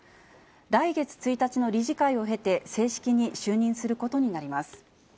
来月１日の理事会を経て、正式に就任することになります。